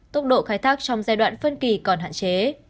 tốc độ khai thác trong giai đoạn phân kỳ còn hạn chế